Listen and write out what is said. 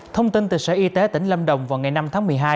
thông tin từ sở y tế tỉnh lâm đồng vào ngày năm tháng một mươi hai